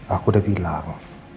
aku udah bilang